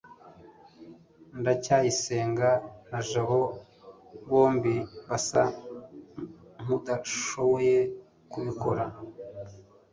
ndacyayisenga na jabo bombi basa nkudashoboye kubikora